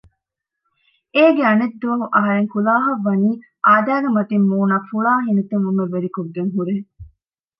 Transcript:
އޭގެ އަނެއް ދުވަހު އަހަރެން ކުލާހަށް ވަނީ އާދައިގެ މަތިން މޫނަށް ފުޅާ ހިނިތުންވުމެއް ވެރިކޮށްގެން ހުރޭ